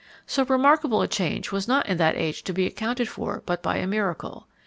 So remarkable a change was not in that age to be accounted for but by a miracle.